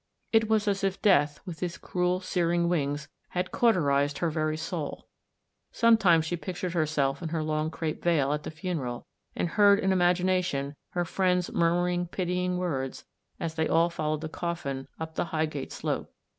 It was as if Death, with his cruel, searing wings had cauterised her very soul. Sometimes she pictured herself in her long crape veil at the funeral, and heard in imagination her friends' murmuring, pitying words, as they all followed the coffin tip the Highgate slope.